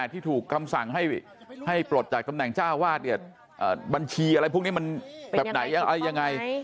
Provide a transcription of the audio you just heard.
ที่ถูกคำสั่งให้ปลดจากกำแหน่งชาวบ้านบัญชีอะไรพวกนี้มันแบบไหนยังไง